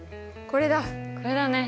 これだね！